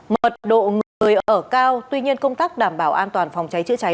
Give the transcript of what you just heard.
mật độ người ở cao tuy nhiên công tác đảm bảo an toàn phòng cháy chữa cháy